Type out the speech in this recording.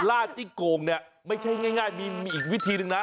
ลาดจิ้งโก่งเนี่ยไม่ใช่ง่ายมีอีกวิธีหนึ่งนะ